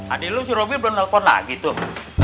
adik lo si robby belum telepon lagi tuh